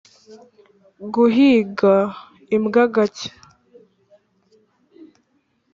guhiga imbwa gake